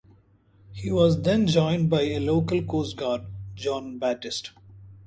He was then joined by a local coastguard, John Batist.